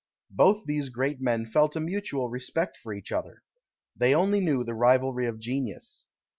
Both these great men felt a mutual respect for each other. They only knew the rivalry of genius.